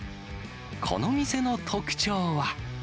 この店の特徴は。